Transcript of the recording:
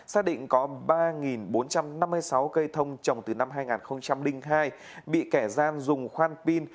xác định có ba bốn trăm năm mươi sáu cây thông trồng từ năm hai nghìn hai bị kẻ gian dùng khoan pin